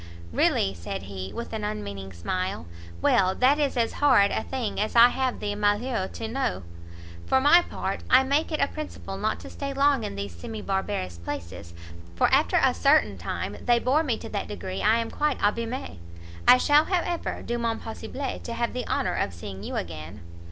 "Really!" said he, with an unmeaning smile, "Well, that is as horrid a thing as I have the malheur to know. For my part, I make it a principle not to stay long in these semi barbarous places, for after a certain time, they bore me to that degree I am quite abimé. I shall, however, do mon possible to have the honour of seeing you again."